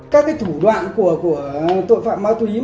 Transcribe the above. các thủ đoạn của tội phạm ma túy